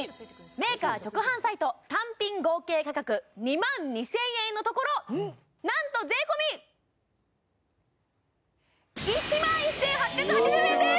メーカー直販サイト単品合計価格２万２０００円のところなんと税込１万１８８０円です！